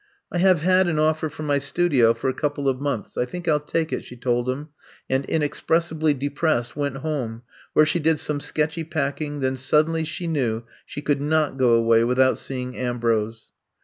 ^* I have had an offer for my studio for a couple of months. I think I 11 take it,^^ she told him, and, inexpressibly depressed, went home where she did some sketchy packing, then suddenly she knew she could not go away without seeing Ambrose.